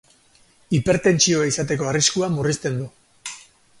Hipertentsioa izateko arriskua murrizten du.